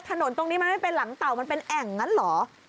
ถนนตรงนี้มันไม่เป็นหลังเต่ามันเป็นแอ่งนั้นเหรอ